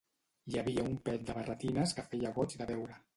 Hi havia un pet de barretines que feia goig de veure.